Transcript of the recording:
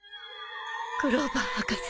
クローバー博士。